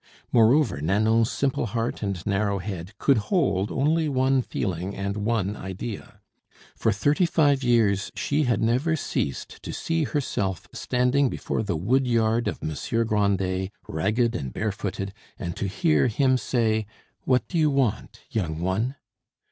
Moreover, Nanon's simple heart and narrow head could hold only one feeling and one idea. For thirty five years she had never ceased to see herself standing before the wood yard of Monsieur Grandet, ragged and barefooted, and to hear him say: "What do you want, young one?"